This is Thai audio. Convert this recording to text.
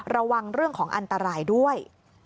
ระวังเรื่องของอันตรายด้วย